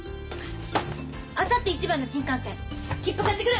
あさって一番の新幹線切符買ってくる！